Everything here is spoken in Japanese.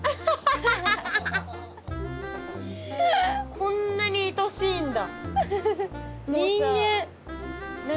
こんなにいとしいんだ。